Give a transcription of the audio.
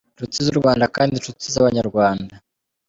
Nshuti z’u Rwanda kandi nshuti z’abanyarwanda,